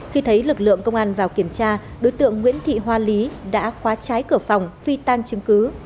khi thấy lực lượng công an vào kiểm tra đối tượng nguyễn thị hoa lý đã khóa trái cửa phòng phi tan chứng cứ